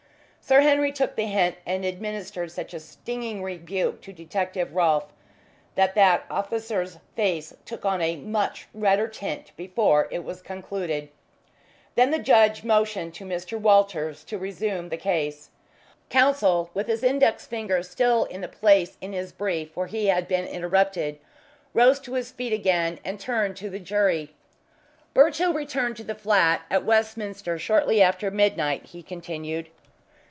Sir Henry took the hint and administered such a stinging rebuke to Detective Rolfe that that officer's face took on a much redder tint before it was concluded. Then the judge motioned to Mr. Walters to resume the case. Counsel, with his index finger still in the place in his brief where he had been interrupted, rose to his feet again and turned to the jury. "Birchill returned to the flat at Westminster shortly after midnight," he continued.